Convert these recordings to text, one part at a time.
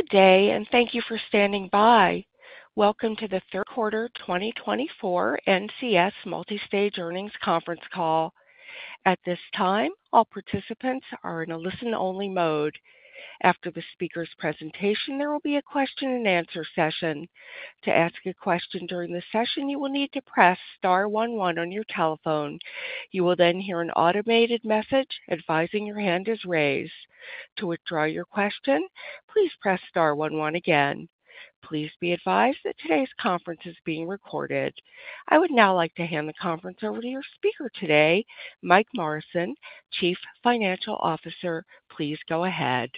Good day, and thank you for standing by. Welcome to the third quarter 2024 NCS Multistage earnings conference call. At this time, all participants are in a listen-only mode. After the speaker's presentation, there will be a question-and-answer session. To ask a question during the session, you will need to press star one one on your telephone. You will then hear an automated message advising your hand is raised. To withdraw your question, please press star one one again. Please be advised that today's conference is being recorded. I would now like to hand the conference over to your speaker today, Mike Morrison, Chief Financial Officer. Please go ahead.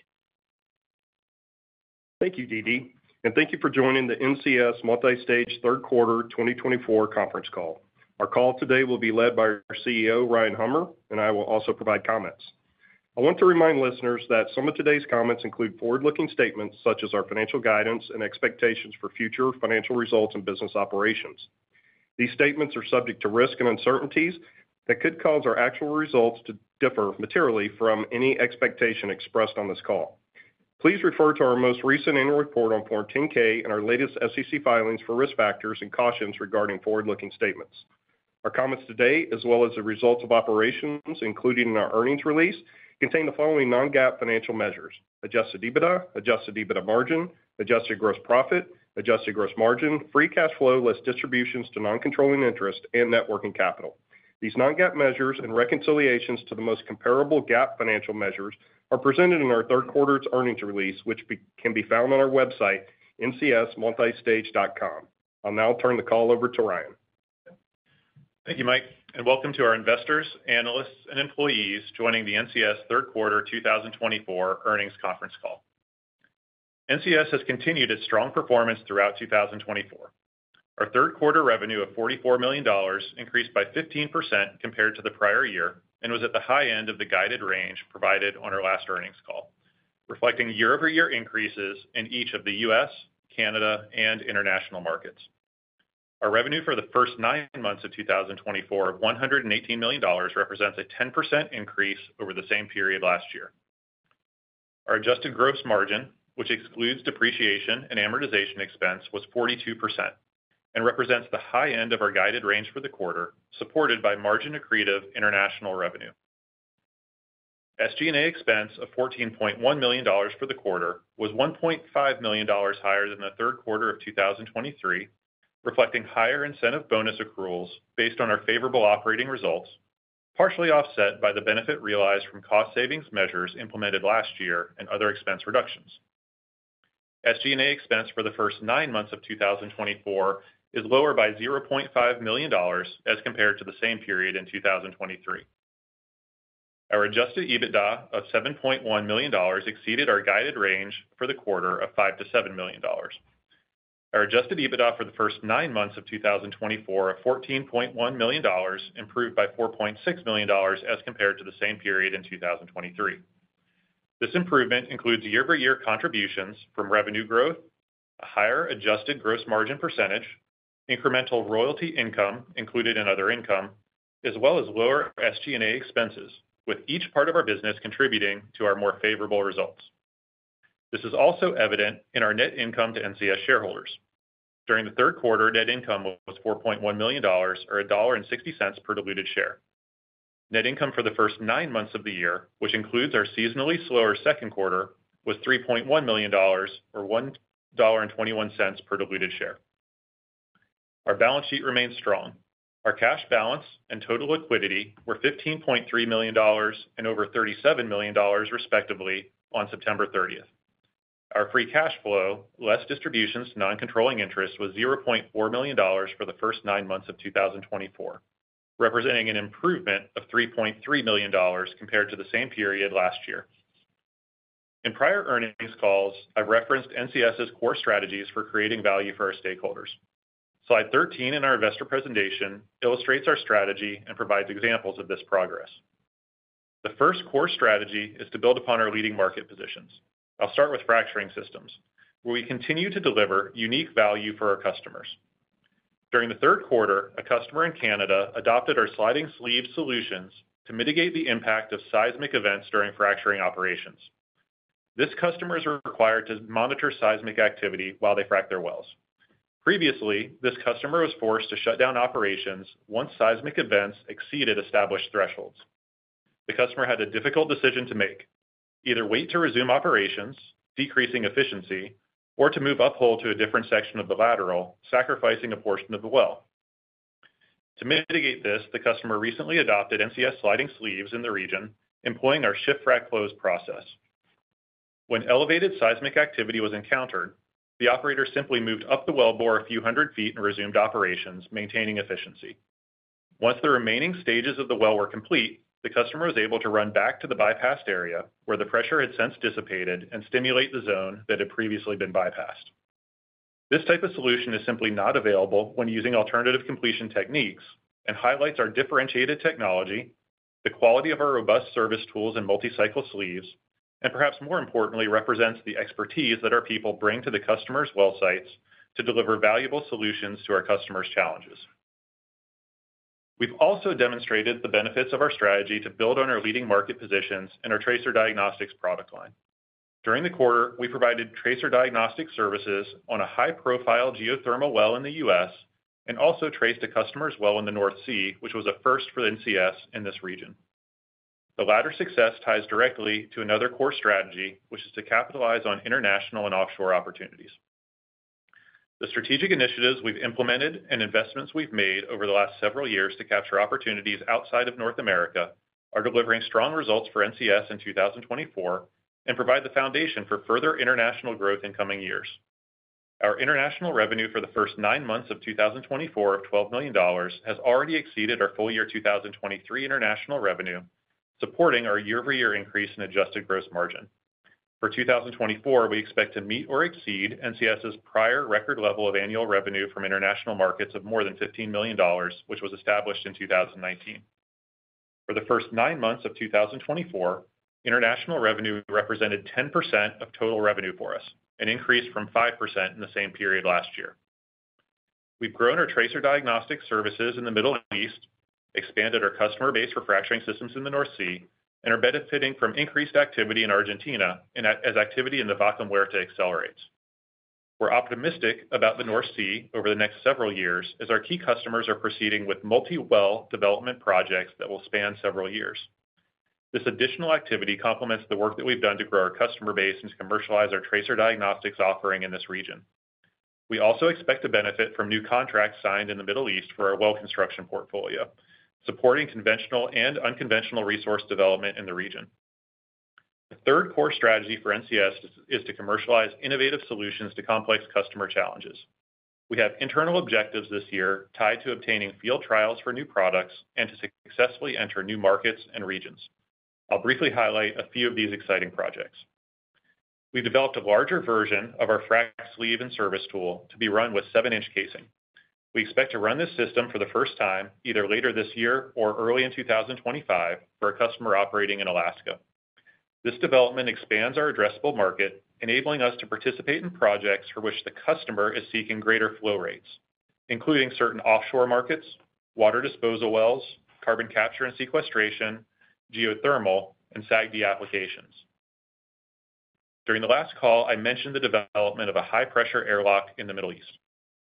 Thank you, DeeDee, and thank you for joining the NCS Multistage third quarter 2024 conference call. Our call today will be led by our Chief Executive Officer, Ryan Hummer, and I will also provide comments. I want to remind listeners that some of today's comments include forward-looking statements such as our financial guidance and expectations for future financial results and business operations. These statements are subject to risk and uncertainties that could cause our actual results to differ materially from any expectation expressed on this call. Please refer to our most recent annual report on Form 10-K and our latest SEC filings for risk factors and cautions regarding forward-looking statements. Our comments today, as well as the results of operations, including our earnings release, contain the following non-GAAP financial measures: adjusted EBITDA, adjusted EBITDA margin, adjusted gross profit, adjusted gross margin, free cash flow less distributions to non-controlling interest, and net working capital. These non-GAAP measures and reconciliations to the most comparable GAAP financial measures are presented in our third quarter earnings release, which can be found on our website, ncsmultistage.com. I'll now turn the call over to Ryan. Thank you, Mike, and welcome to our investors, analysts, and employees joining the NCS third quarter 2024 earnings conference call. NCS has continued its strong performance throughout 2024. Our third quarter revenue of $44 million increased by 15% compared to the prior year and was at the high end of the guided range provided on our last earnings call, reflecting year-over-year increases in each of the U.S., Canada, and international markets. Our revenue for the first nine months of 2024 of $118 million represents a 10% increase over the same period last year. Our adjusted gross margin, which excludes depreciation and amortization expense, was 42% and represents the high end of our guided range for the quarter, supported by margin-accretive international revenue. SG&A expense of $14.1 million for the quarter was $1.5 million higher than the third quarter of 2023, reflecting higher incentive bonus accruals based on our favorable operating results, partially offset by the benefit realized from cost savings measures implemented last year and other expense reductions. SG&A expense for the first nine months of 2024 is lower by $0.5 million as compared to the same period in 2023. Our Adjusted EBITDA of $7.1 million exceeded our guided range for the quarter of $5 million-$7 million. Our Adjusted EBITDA for the first nine months of 2024 of $14.1 million improved by $4.6 million as compared to the same period in 2023. This improvement includes year-over-year contributions from revenue growth, a higher adjusted gross margin percentage, incremental royalty income included in other income, as well as lower SG&A expenses, with each part of our business contributing to our more favorable results. This is also evident in our net income to NCS shareholders. During the third quarter, net income was $4.1 million, or $1.60 per diluted share. Net income for the first nine months of the year, which includes our seasonally slower second quarter, was $3.1 million, or $1.21 per diluted share. Our balance sheet remained strong. Our cash balance and total liquidity were $15.3 million and over $37 million, respectively, on September 30. Our free cash flow, less distributions to non-controlling interest, was $0.4 million for the first nine months of 2024, representing an improvement of $3.3 million compared to the same period last year. In prior earnings calls, I've referenced NCS's core strategies for creating value for our stakeholders. Slide 13 in our investor presentation illustrates our strategy and provides examples of this progress. The first core strategy is to build upon our leading market positions. I'll start with fracturing systems, where we continue to deliver unique value for our customers. During the third quarter, a customer in Canada adopted our sliding sleeve solutions to mitigate the impact of seismic events during fracturing operations. This customer is required to monitor seismic activity while they frac their wells. Previously, this customer was forced to shut down operations once seismic events exceeded established thresholds. The customer had a difficult decision to make: either wait to resume operations, decreasing efficiency, or to move uphole to a different section of the lateral, sacrificing a portion of the well. To mitigate this, the customer recently adopted NCS sliding sleeves in the region, employing our Shift-Frac-Close process. When elevated seismic activity was encountered, the operator simply moved up the wellbore a few hundred feet and resumed operations, maintaining efficiency. Once the remaining stages of the well were complete, the customer was able to run back to the bypassed area, where the pressure had since dissipated, and stimulate the zone that had previously been bypassed. This type of solution is simply not available when using alternative completion techniques and highlights our differentiated technology, the quality of our robust service tools and multi-cycle sleeves, and perhaps more importantly, represents the expertise that our people bring to the customer's well sites to deliver valuable solutions to our customer's challenges. We've also demonstrated the benefits of our strategy to build on our leading market positions and our tracer diagnostics product line. During the quarter, we provided tracer diagnostic services on a high-profile geothermal well in the U.S. and also traced a customer's well in the North Sea, which was a first for NCS in this region. The latter success ties directly to another core strategy, which is to capitalize on international and offshore opportunities. The strategic initiatives we've implemented and investments we've made over the last several years to capture opportunities outside of North America are delivering strong results for NCS in 2024 and provide the foundation for further international growth in coming years. Our international revenue for the first nine months of 2024 of $12 million has already exceeded our full year 2023 international revenue, supporting our year-over-year increase in adjusted gross margin. For 2024, we expect to meet or exceed NCS's prior record level of annual revenue from international markets of more than $15 million, which was established in 2019. For the first nine months of 2024, international revenue represented 10% of total revenue for us, an increase from 5% in the same period last year. We've grown our tracer diagnostics services in the Middle East, expanded our customer base for fracturing systems in the North Sea, and are benefiting from increased activity in Argentina and as activity in the Vaca Muerta accelerates. We're optimistic about the North Sea over the next several years as our key customers are proceeding with multi-well development projects that will span several years. This additional activity complements the work that we've done to grow our customer base and to commercialize our tracer diagnostics offering in this region. We also expect to benefit from new contracts signed in the Middle East for our well construction portfolio, supporting conventional and unconventional resource development in the region. The third core strategy for NCS is to commercialize innovative solutions to complex customer challenges. We have internal objectives this year tied to obtaining field trials for new products and to successfully enter new markets and regions. I'll briefly highlight a few of these exciting projects. We've developed a larger version of our frac sleeve and service tool to be run with 7-inch casing. We expect to run this system for the first time either later this year or early in 2025 for a customer operating in Alaska. This development expands our addressable market, enabling us to participate in projects for which the customer is seeking greater flow rates, including certain offshore markets, water disposal wells, carbon capture and sequestration, geothermal, and SAGD applications. During the last call, I mentioned the development of a high-pressure AirLock in the Middle East.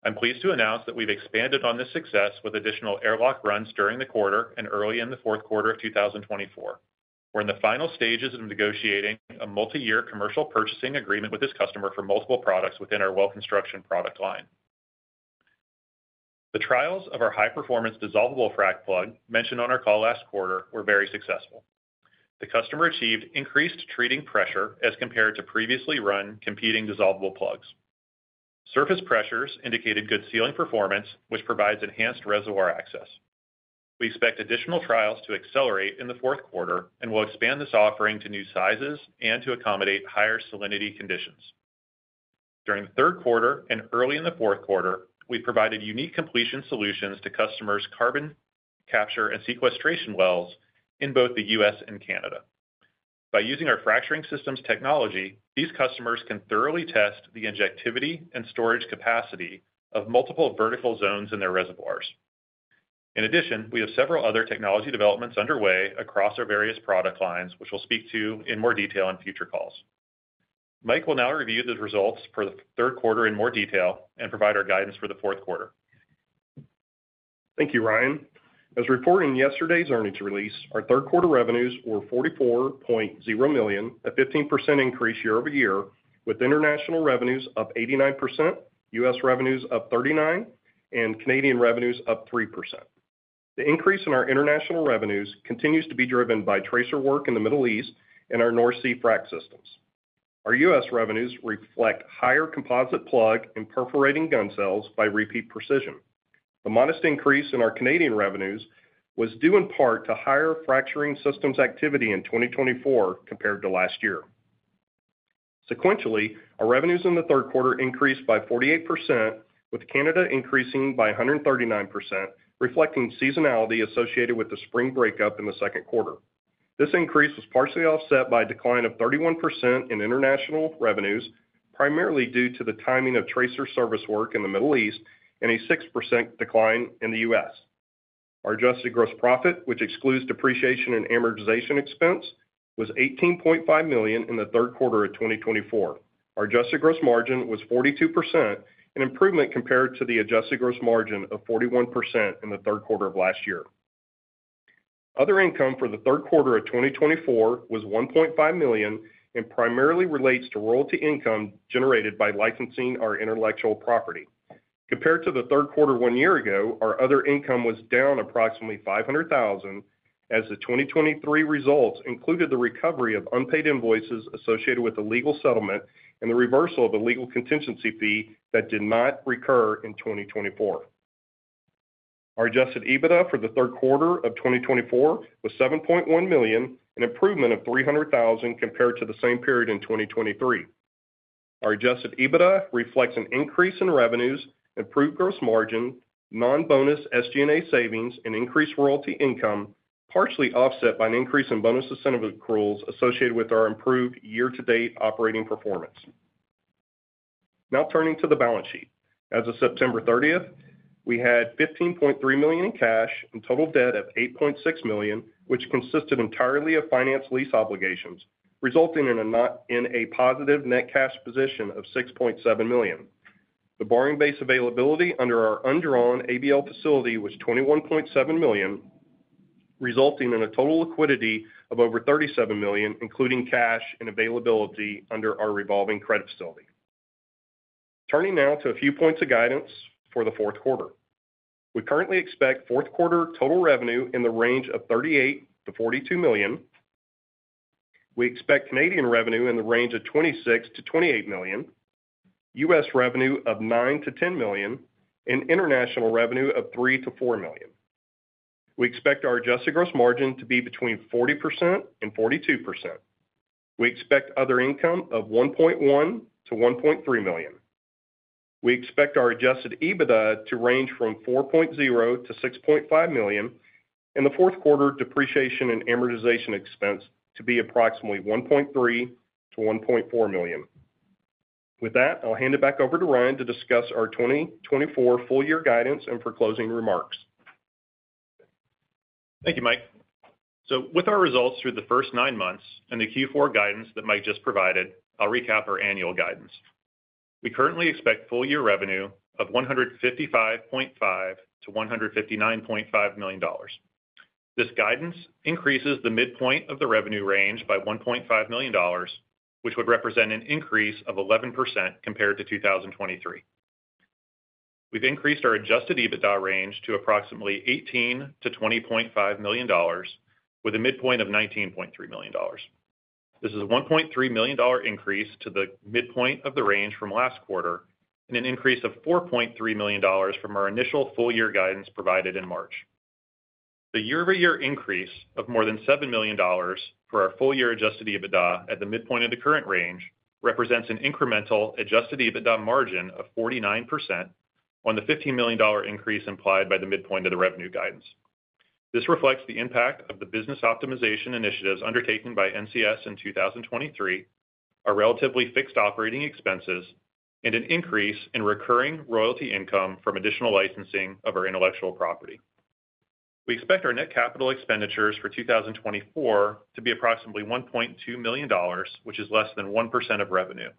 I'm pleased to announce that we've expanded on this success with additional AirLock runs during the quarter and early in the fourth quarter of 2024. We're in the final stages of negotiating a multi-year commercial purchasing agreement with this customer for multiple products within our well construction product line. The trials of our high-performance dissolvable frac plug mentioned on our call last quarter were very successful. The customer achieved increased treating pressure as compared to previously run competing dissolvable plugs. Surface pressures indicated good sealing performance, which provides enhanced reservoir access. We expect additional trials to accelerate in the fourth quarter and will expand this offering to new sizes and to accommodate higher salinity conditions. During the third quarter and early in the fourth quarter, we've provided unique completion solutions to customers' carbon capture and sequestration wells in both the U.S. and Canada. By using our fracturing systems technology, these customers can thoroughly test the injectivity and storage capacity of multiple vertical zones in their reservoirs. In addition, we have several other technology developments underway across our various product lines, which we'll speak to in more detail in future calls. Mike will now review the results for the third quarter in more detail and provide our guidance for the fourth quarter. Thank you, Ryan. As reported in yesterday's earnings release, our third quarter revenues were $44.0 million, a 15% increase year-over-year, with international revenues up 89%, U.S. revenues up 39%, and Canadian revenues up 3%. The increase in our international revenues continues to be driven by tracer work in the Middle East and our North Sea frac systems. Our U.S. revenues reflect higher composite plug and perforating gun sales by Repeat Precision. The modest increase in our Canadian revenues was due in part to higher fracturing systems activity in 2024 compared to last year. Sequentially, our revenues in third quarter increased by 48%, with Canada increasing by 139%, reflecting seasonality associated with the spring breakup in second quarter. This increase was partially offset by a decline of 31% in international revenues, primarily due to the timing of tracer service work in the Middle East and a 6% decline in the U.S. Our adjusted gross profit, which excludes depreciation and amortization expense, was $18.5 million in the third quarter of 2024. Our adjusted gross margin was 42%, an improvement compared to the adjusted gross margin of 41% in the third quarter of last year. Other income for the third quarter of 2024 was $1.5 million and primarily relates to royalty income generated by licensing our intellectual property. Compared to the third quarter a year ago, our other income was down approximately $500,000, as the 2023 results included the recovery of unpaid invoices associated with a legal settlement and the reversal of a legal contingency fee that did not recur in 2024. Our Adjusted EBITDA for the third quarter of 2024 was $7.1 million, an improvement of $300,000 compared to the same period in 2023. Our Adjusted EBITDA reflects an increase in revenues, improved gross margin, non-bonus SG&A savings, and increased royalty income, partially offset by an increase in bonus incentive accruals associated with our improved year-to-date operating performance. Now turning to the balance sheet. As of September 30th, we had $15.3 million in cash and total debt of $8.6 million, which consisted entirely of finance lease obligations, resulting in a positive net cash position of $6.7 million. The borrowing base availability under our undrawn ABL facility was $21.7 million, resulting in a total liquidity of over $37 million, including cash and availability under our revolving credit facility. Turning now to a few points of guidance for the fourth quarter. We currently expect fourth quarter total revenue in the range of $38 million-$42 million. We expect Canadian revenue in the range of $26 million-$28 million, U.S. revenue of $9 million-$10 million, and international revenue of $3 million-$4 million. We expect our adjusted gross margin to be between 40% and 42%. We expect other income of $1.1 million-$1.3 million. We expect our Adjusted EBITDA to range from $4.0 million-$6.5 million, and the fourth quarter depreciation and amortization expense to be approximately $1.3 million-$1.4 million. With that, I'll hand it back over to Ryan to discuss our 2024 full-year guidance and closing remarks. Thank you, Mike. So with our results through the first nine months and the Q4 guidance that Mike just provided, I'll recap our annual guidance. We currently expect full-year revenue of $155.5 million-$159.5 million. This guidance increases the midpoint of the revenue range by $1.5 million, which would represent an increase of 11% compared to 2023. We've increased our Adjusted EBITDA range to approximately $18 million-$20.5 million, with a midpoint of $19.3 million. This is a $1.3 million increase to the midpoint of the range from last quarter and an increase of $4.3 million from our initial full-year guidance provided in March. The year-over-year increase of more than $7 million for our full-year Adjusted EBITDA at the midpoint of the current range represents an incremental Adjusted EBITDA margin of 49% on the $15 million increase implied by the midpoint of the revenue guidance. This reflects the impact of the business optimization initiatives undertaken by NCS in 2023, our relatively fixed operating expenses, and an increase in recurring royalty income from additional licensing of our intellectual property. We expect our net capital expenditures for 2024 to be approximately $1.2 million, which is less than 1% of revenue,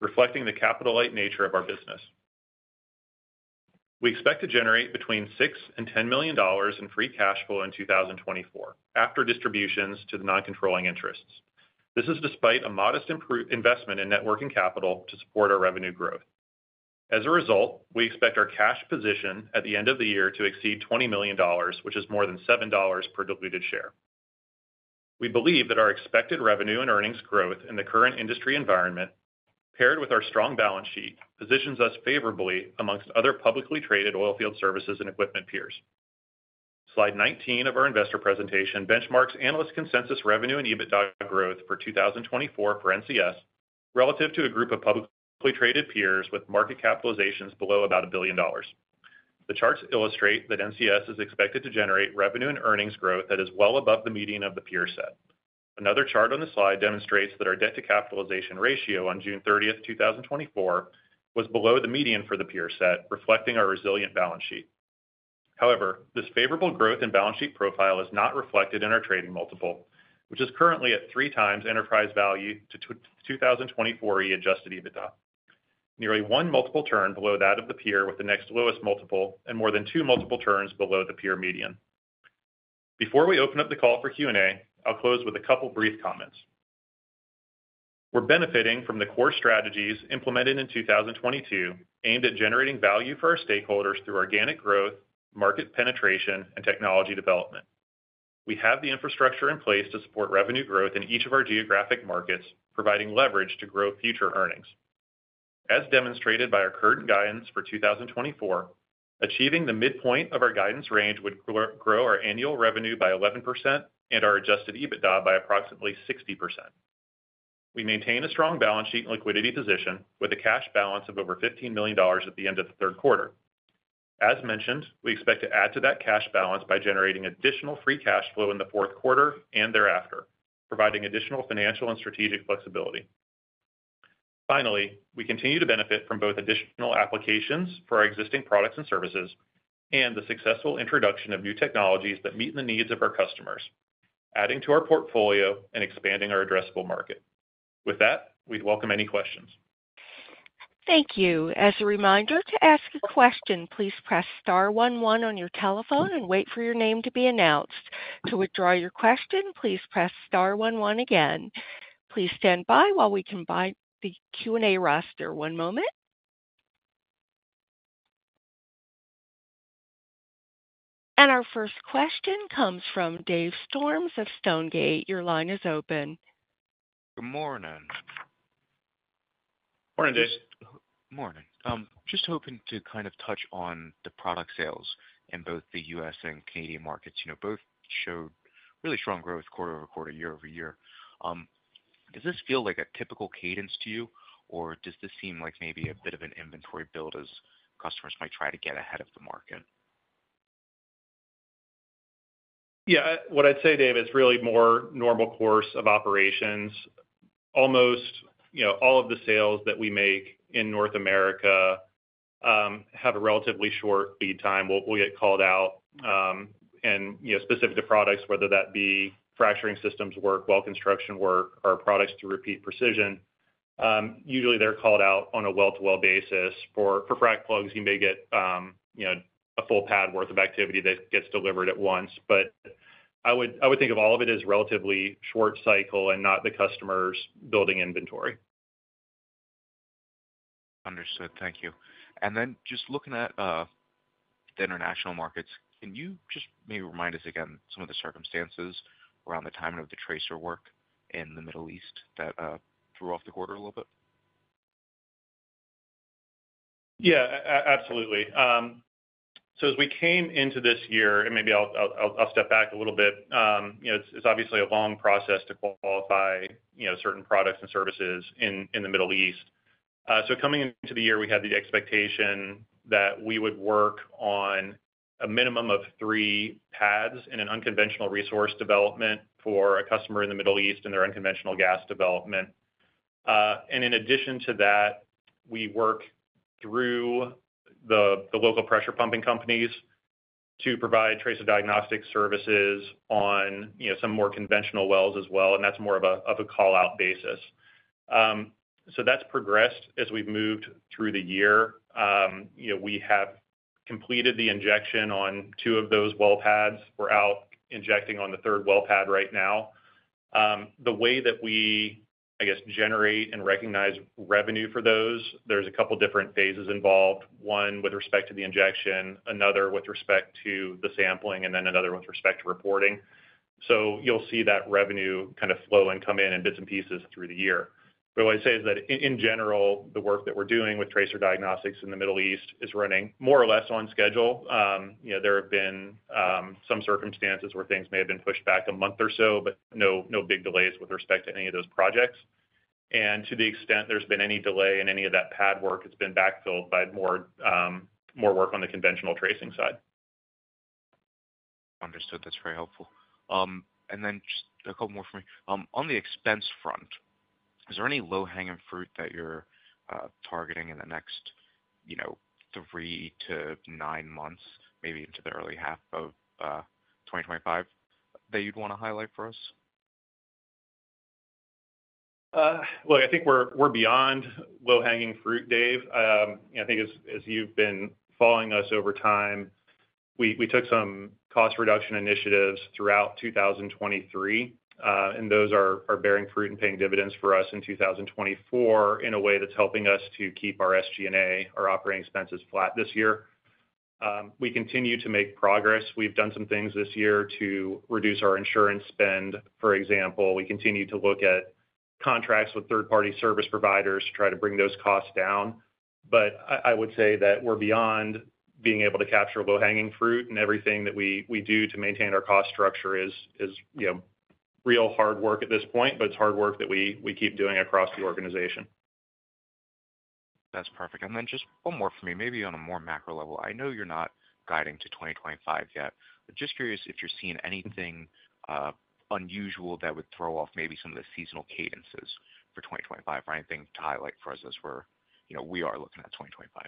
reflecting the capital-light nature of our business. We expect to generate between $6 million-$10 million in free cash flow in 2024 after distributions to the non-controlling interests. This is despite a modest investment in net working capital to support our revenue growth. As a result, we expect our cash position at the end of the year to exceed $20 million, which is more than $7 per diluted share. We believe that our expected revenue and earnings growth in the current industry environment, paired with our strong balance sheet, positions us favorably amongst other publicly traded oil field services and equipment peers. Slide 19 of our investor presentation benchmarks analyst consensus revenue and EBITDA growth for 2024 for NCS relative to a group of publicly traded peers with market capitalizations below about $1 billion. The charts illustrate that NCS is expected to generate revenue and earnings growth that is well above the median of the peer set. Another chart on the slide demonstrates that our debt-to-capitalization ratio on June 30th, 2024, was below the median for the peer set, reflecting our resilient balance sheet. However, this favorable growth in balance sheet profile is not reflected in our trading multiple, which is currently at three times enterprise value to 2024 Adjusted EBITDA, nearly one multiple turn below that of the peer with the next lowest multiple and more than two multiple turns below the peer median. Before we open up the call for Q&A, I'll close with a couple of brief comments. We're benefiting from the core strategies implemented in 2022 aimed at generating value for our stakeholders through organic growth, market penetration, and technology development. We have the infrastructure in place to support revenue growth in each of our geographic markets, providing leverage to grow future earnings. As demonstrated by our current guidance for 2024, achieving the midpoint of our guidance range would grow our annual revenue by 11% and our Adjusted EBITDA by approximately 60%. We maintain a strong balance sheet and liquidity position with a cash balance of over $15 million at the end of the quarter. As mentioned, we expect to add to that cash balance by generating additional free cash flow in fourth quarter and thereafter, providing additional financial and strategic flexibility. Finally, we continue to benefit from both additional applications for our existing products and services and the successful introduction of new technologies that meet the needs of our customers, adding to our portfolio and expanding our addressable market. With that, we'd welcome any questions. Thank you. As a reminder, to ask a question, please press star one one on your telephone and wait for your name to be announced. To withdraw your question, please press star one one again. Please stand by while we combine the Q&A roster. One moment, and our first question comes from Dave Storms of Stonegate. Your line is open. Good morning. Morning, Dave. Morning. Just hoping to kind of touch on the product sales in both the U.S. and Canadian markets. You know, both showed really strong growth quarter-over-quarter, year-over-year. Does this feel like a typical cadence to you, or does this seem like maybe a bit of an inventory build as customers might try to get ahead of the market? Yeah, what I'd say, Dave, it's really more normal course of operations. Almost, you know, all of the sales that we make in North America have a relatively short lead time. We'll get called out, and, you know, specific to products, whether that be fracturing systems work, well construction work, or products to Repeat Precision, usually they're called out on a well-to-well basis. For frac plugs, you may get, you know, a full pad worth of activity that gets delivered at once. But I would think of all of it as relatively short cycle and not the customer's building inventory. Understood. Thank you. And then just looking at the international markets, can you just maybe remind us again some of the circumstances around the timing of the tracer work in the Middle East that threw off the quarter a little bit? Yeah, absolutely. So as we came into this year, and maybe I'll step back a little bit, you know, it's obviously a long process to qualify, you know, certain products and services in the Middle East. So coming into the year, we had the expectation that we would work on a minimum of three pads in an unconventional resource development for a customer in the Middle East in their unconventional gas development. And in addition to that, we work through the local pressure pumping companies to provide tracer diagnostic services on, you know, some more conventional wells as well, and that's more of a call-out basis. So that's progressed as we've moved through the year. You know, we have completed the injection on two of those well pads. We're out injecting on the third well pad right now. The way that we, I guess, generate and recognize revenue for those, there's a couple of different phases involved. One with respect to the injection, another with respect to the sampling, and then another with respect to reporting. So you'll see that revenue kind of flow and come in in bits and pieces through the year. But what I'd say is that, in general, the work that we're doing with tracer diagnostics in the Middle East is running more or less on schedule. You know, there have been some circumstances where things may have been pushed back a month or so, but no big delays with respect to any of those projects. And to the extent there's been any delay in any of that pad work, it's been backfilled by more work on the conventional tracing side. Understood. That's very helpful. And then just a couple more for me. On the expense front, is there any low-hanging fruit that you're targeting in the next, you know, three to nine months, maybe into the early half of 2025, that you'd want to highlight for us? I think we're beyond low-hanging fruit, Dave. You know, I think as you've been following us over time, we took some cost reduction initiatives throughout 2023, and those are bearing fruit and paying dividends for us in 2024 in a way that's helping us to keep our SG&A, our operating expenses, flat this year. We continue to make progress. We've done some things this year to reduce our insurance spend. For example, we continue to look at contracts with third-party service providers to try to bring those costs down. But I would say that we're beyond being able to capture low-hanging fruit, and everything that we do to maintain our cost structure is, you know, real hard work at this point, but it's hard work that we keep doing across the organization. That's perfect. And then just one more for me, maybe on a more macro level. I know you're not guiding to 2025 yet, but just curious if you're seeing anything unusual that would throw off maybe some of the seasonal cadences for 2025 or anything to highlight for us as we're, you know, we are looking at 2025.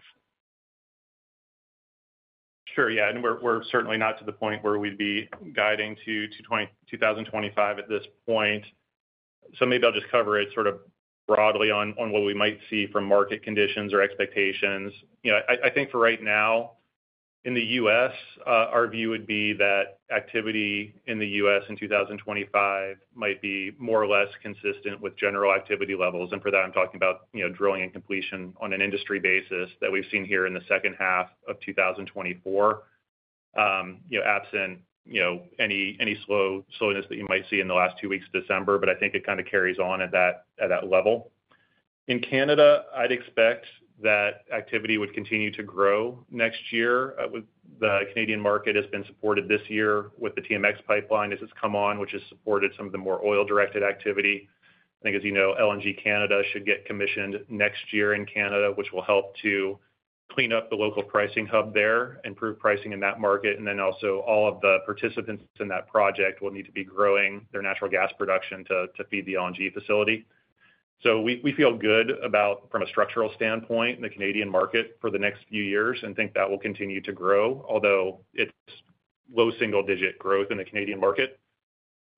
Sure, yeah, and we're certainly not to the point where we'd be guiding to 2025 at this point, so maybe I'll just cover it sort of broadly on what we might see from market conditions or expectations. You know, I think for right now, in the U.S., our view would be that activity in the U.S. in 2025 might be more or less consistent with general activity levels, and for that, I'm talking about, you know, drilling and completion on an industry basis that we've seen here in the second half of 2024, you know, absent, you know, any slowness that you might see in the last two weeks of December, but I think it kind of carries on at that level. In Canada, I'd expect that activity would continue to grow next year. The Canadian market has been supported this year with the TMX pipeline as it's come on, which has supported some of the more oil-directed activity. I think, as you know, LNG Canada should get commissioned next year in Canada, which will help to clean up the local pricing hub there, improve pricing in that market, and then also all of the participants in that project will need to be growing their natural gas production to feed the LNG facility, so we feel good about, from a structural standpoint, the Canadian market for the next few years and think that will continue to grow, although it's low single-digit growth in the Canadian market,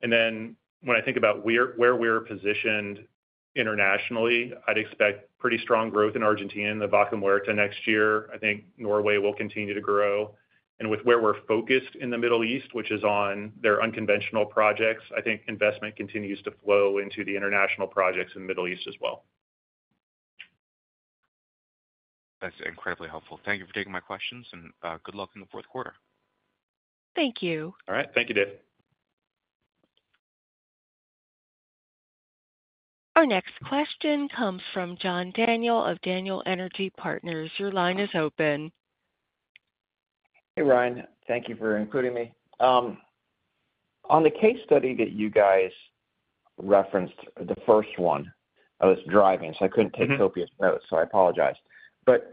and then when I think about where we're positioned internationally, I'd expect pretty strong growth in Argentina and the Vaca Muerta next year. I think Norway will continue to grow. With where we're focused in the Middle East, which is on their unconventional projects, I think investment continues to flow into the international projects in the Middle East as well. That's incredibly helpful. Thank you for taking my questions, and good luck in the quarter. Thank you. All right. Thank you, Dave. Our next question comes from John Daniel of Daniel Energy Partners. Your line is open. Hey, Ryan. Thank you for including me. On the case study that you guys referenced, the first one, I was driving, so I couldn't take copious notes, so I apologize. But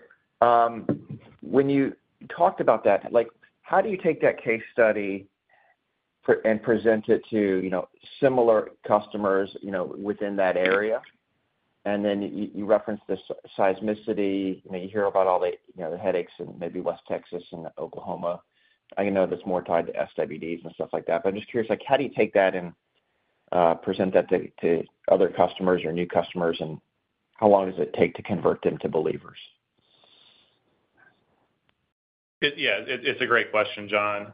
when you talked about that, like, how do you take that case study and present it to, you know, similar customers, you know, within that area? And then you referenced the seismicity. You know, you hear about all the, you know, the headaches in maybe West Texas and Oklahoma. I know that's more tied to SWDs and stuff like that. But I'm just curious, like, how do you take that and present that to other customers or new customers, and how long does it take to convert them to believers? Yeah, it's a great question, John.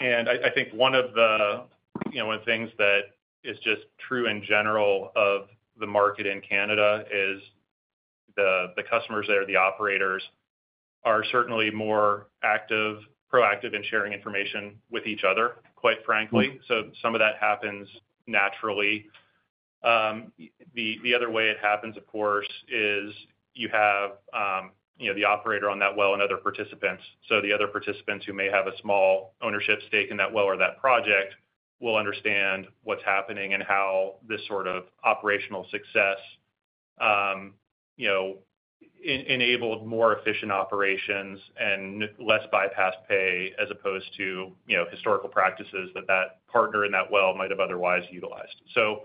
And I think one of the, you know, one of the things that is just true in general of the market in Canada is the customers there, the operators, are certainly more active, proactive in sharing information with each other, quite frankly. So some of that happens naturally. The other way it happens, of course, is you have, you know, the operator on that well and other participants. So the other participants who may have a small ownership stake in that well or that project will understand what's happening and how this sort of operational success, you know, enabled more efficient operations and less bypass pay as opposed to, you know, historical practices that that partner in that well might have otherwise utilized. So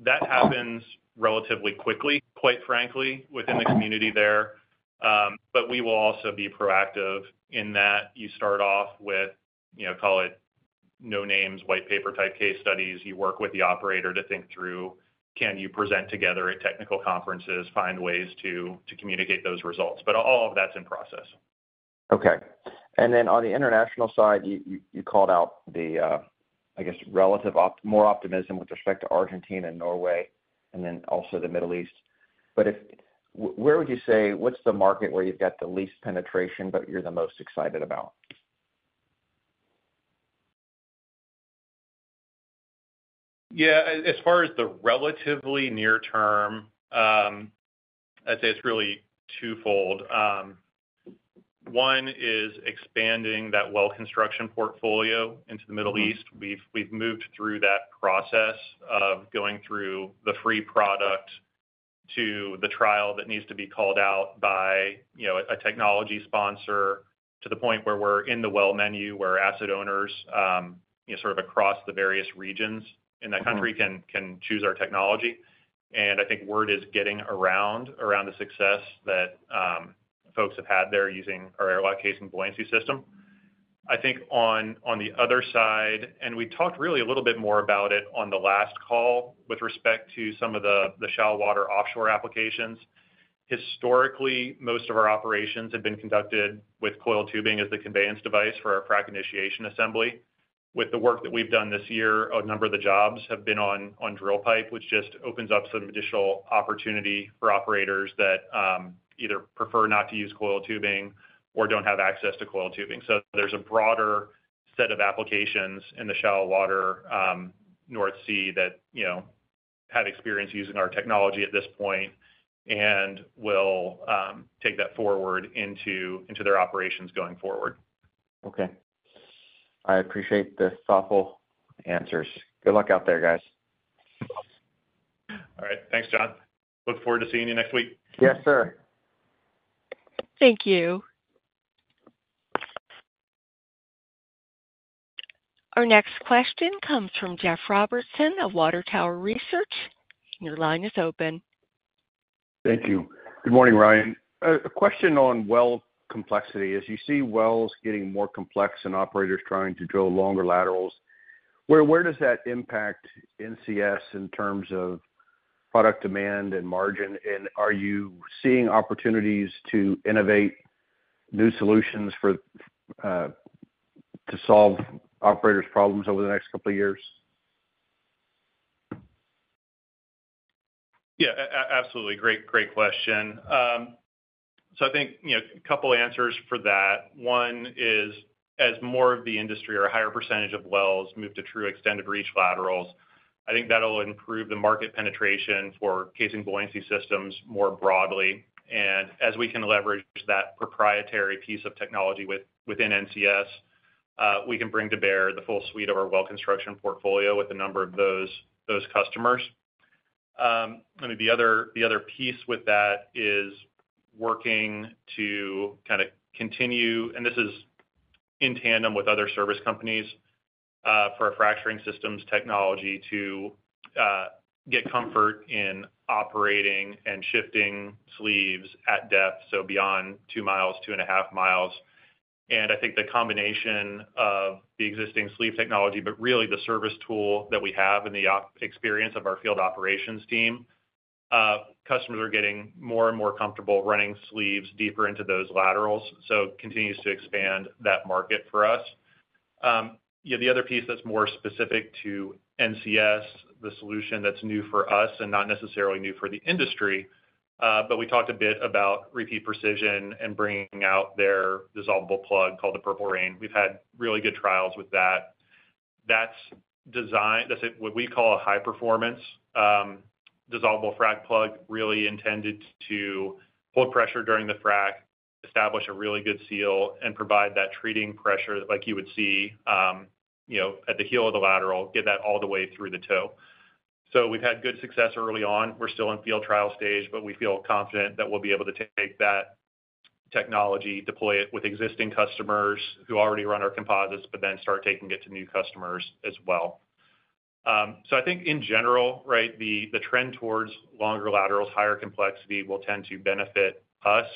that happens relatively quickly, quite frankly, within the community there. But we will also be proactive in that you start off with, you know, call it no-names white paper type case studies. You work with the operator to think through, can you present together at technical conferences, find ways to communicate those results. But all of that's in process. Okay. And then on the international side, you called out the, I guess, relative more optimism with respect to Argentina and Norway, and then also the Middle East. But where would you say, what's the market where you've got the least penetration but you're the most excited about? Yeah, as far as the relatively near term, I'd say it's really twofold. One is expanding that well construction portfolio into the Middle East. We've moved through that process of going through the free product to the trial that needs to be called out by, you know, a technology sponsor to the point where we're in the well menu where asset owners, you know, sort of across the various regions in that country can choose our technology. And I think word is getting around the success that folks have had there using our AirLock casing buoyancy system. I think on the other side, and we talked really a little bit more about it on the last call with respect to some of the shallow water offshore applications. Historically, most of our operations have been conducted with coil tubing as the conveyance device for our frac initiation assembly. With the work that we've done this year, a number of the jobs have been on drill pipe, which just opens up some additional opportunity for operators that either prefer not to use coil tubing or don't have access to coil tubing, so there's a broader set of applications in the shallow water North Sea that, you know, have experience using our technology at this point and will take that forward into their operations going forward. Okay. I appreciate the thoughtful answers. Good luck out there, guys. All right. Thanks, John. Look forward to seeing you next week. Yes, sir. Thank you. Our next question comes from Jeff Robertson of Water Tower Research. Your line is open. Thank you. Good morning, Ryan. A question on well complexity. As you see wells getting more complex and operators trying to drill longer laterals, where does that impact NCS in terms of product demand and margin? And are you seeing opportunities to innovate new solutions to solve operators' problems over the next couple of years? Yeah, absolutely. Great question. So I think, you know, a couple of answers for that. One is, as more of the industry or a higher percentage of wells move to true extended reach laterals, I think that'll improve the market penetration for casing and buoyancy systems more broadly. And as we can leverage that proprietary piece of technology within NCS, we can bring to bear the full suite of our well construction portfolio with a number of those customers. I mean, the other piece with that is working to kind of continue, and this is in tandem with other service companies for a fracturing systems technology to get comfort in operating and shifting sleeves at depth, so beyond two miles, two and a half miles. And I think the combination of the existing sleeve technology, but really the service tool that we have and the experience of our field operations team, customers are getting more and more comfortable running sleeves deeper into those laterals. So it continues to expand that market for us. You know, the other piece that's more specific to NCS, the solution that's new for us and not necessarily new for the industry, but we talked a bit about Repeat Precision and bringing out their dissolvable plug called the Purple Rain. We've had really good trials with that. That's designed, that's what we call a high-performance dissolvable frac plug, really intended to hold pressure during the frac, establish a really good seal, and provide that treating pressure like you would see, you know, at the heel of the lateral, get that all the way through the toe. We've had good success early on. We're still in field trial stage, but we feel confident that we'll be able to take that technology, deploy it with existing customers who already run our composites, but then start taking it to new customers as well. I think in general, right, the trend towards longer laterals, higher complexity will tend to benefit us.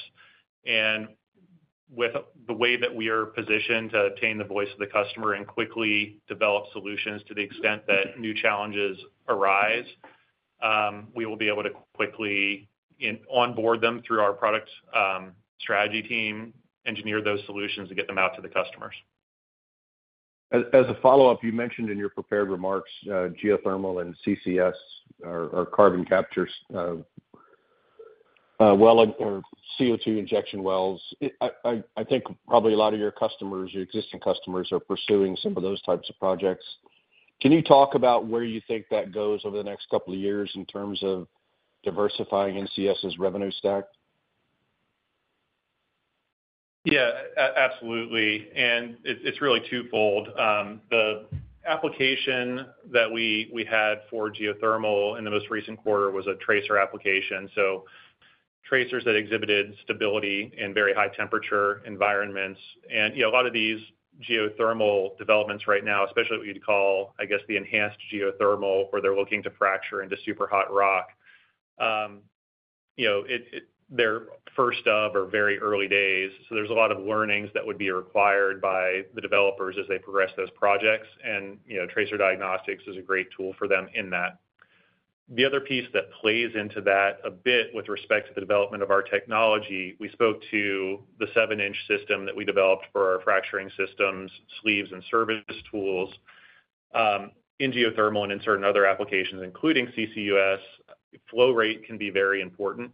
With the way that we are positioned to attain the voice of the customer and quickly develop solutions to the extent that new challenges arise, we will be able to quickly onboard them through our product strategy team, engineer those solutions and get them out to the customers. As a follow-up, you mentioned in your prepared remarks, geothermal and CCS or carbon capture well or CO2 injection wells. I think probably a lot of your customers, your existing customers, are pursuing some of those types of projects. Can you talk about where you think that goes over the next couple of years in terms of diversifying NCS's revenue stack? Yeah, absolutely. And it's really twofold. The application that we had for geothermal in the most recent quarter was a tracer application. So tracers that exhibited stability in very high temperature environments. And, you know, a lot of these geothermal developments right now, especially what we'd call, I guess, the enhanced geothermal where they're looking to fracture into super hot rock, you know, they're first of or very early days. So there's a lot of learnings that would be required by the developers as they progress those projects. And, you know, tracer diagnostics is a great tool for them in that. The other piece that plays into that a bit with respect to the development of our technology, we spoke to the seven-inch system that we developed for our fracturing systems, sleeves, and service tools. In geothermal and in certain other applications, including CCUS, flow rate can be very important.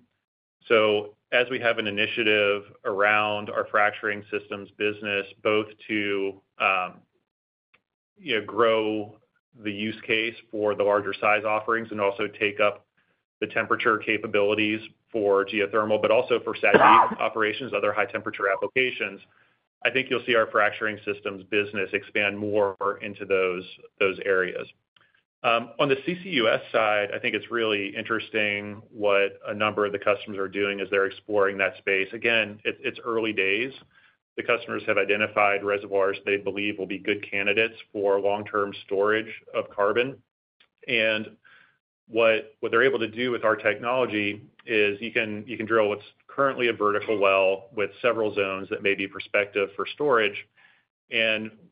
As we have an initiative around our fracturing systems business, both to, you know, grow the use case for the larger size offerings and also take up the temperature capabilities for geothermal, but also for SAGD operations, other high temperature applications, I think you'll see our fracturing systems business expand more into those areas. On the CCUS side, I think it's really interesting what a number of the customers are doing as they're exploring that space. Again, it's early days. The customers have identified reservoirs they believe will be good candidates for long-term storage of carbon. And what they're able to do with our technology is you can drill what's currently a vertical well with several zones that may be prospective for storage.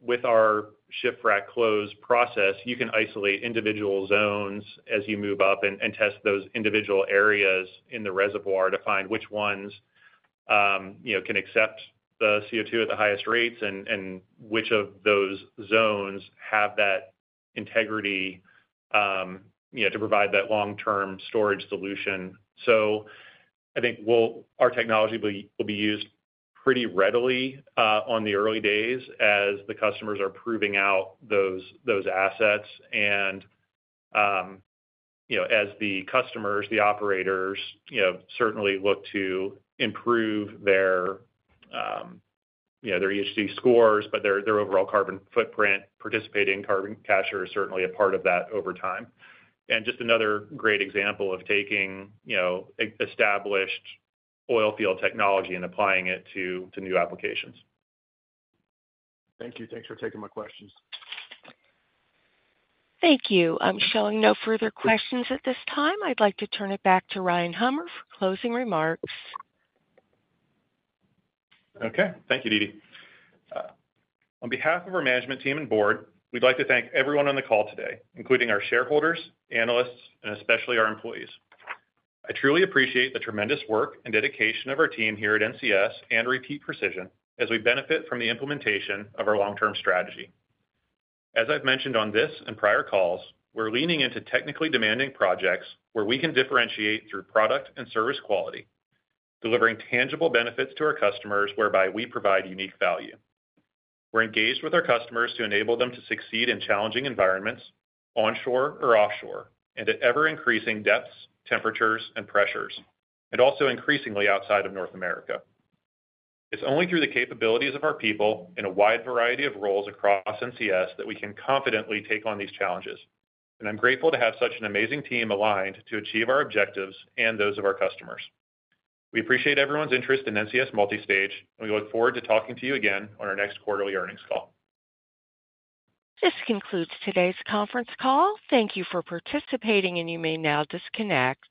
With our Shift-Frac-Close process, you can isolate individual zones as you move up and test those individual areas in the reservoir to find which ones, you know, can accept the CO2 at the highest rates and which of those zones have that integrity, you know, to provide that long-term storage solution. So I think our technology will be used pretty readily on the early days as the customers are proving out those assets. And, you know, as the customers, the operators, you know, certainly look to improve their, you know, their ESG scores, but their overall carbon footprint, participating in carbon capture are certainly a part of that over time. And just another great example of taking, you know, established oil field technology and applying it to new applications. Thank you. Thanks for taking my questions. Thank you. I'm showing no further questions at this time. I'd like to turn it back to Ryan Hummer for closing remarks. Okay. Thank you, DeeDee. On behalf of our management team and board, we'd like to thank everyone on the call today, including our shareholders, analysts, and especially our employees. I truly appreciate the tremendous work and dedication of our team here at NCS and Repeat Precision as we benefit from the implementation of our long-term strategy. As I've mentioned on this and prior calls, we're leaning into technically demanding projects where we can differentiate through product and service quality, delivering tangible benefits to our customers whereby we provide unique value. We're engaged with our customers to enable them to succeed in challenging environments, onshore or offshore, and at ever-increasing depths, temperatures, and pressures, and also increasingly outside of North America. It's only through the capabilities of our people and a wide variety of roles across NCS that we can confidently take on these challenges. I'm grateful to have such an amazing team aligned to achieve our objectives and those of our customers. We appreciate everyone's interest in NCS Multistage, and we look forward to talking to you again on our next quarterly earnings call. This concludes today's conference call. Thank you for participating, and you may now disconnect.